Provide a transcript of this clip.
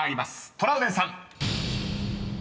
トラウデンさん］